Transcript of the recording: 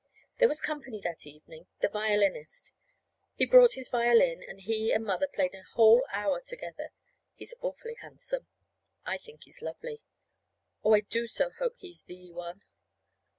There was company that evening. The violinist. He brought his violin, and he and Mother played a whole hour together. He's awfully handsome. I think he's lovely. Oh, I do so hope he's the one!